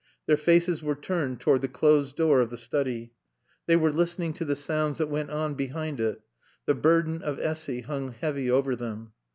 Their faces were turned toward the closed door of the study. They were listening to the sounds that went on behind it. The burden of Essy hung heavy over them.